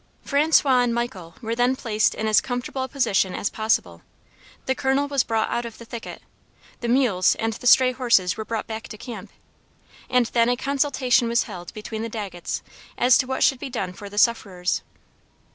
François and Michael were then placed in as comfortable a position as possible; the Colonel was brought out of the thicket; the mules and stray horses were brought back to camp; and then a consultation was held between the Daggets as to what should be done for the sufferers.